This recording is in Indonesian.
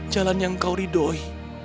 jalan yang kau ridhoi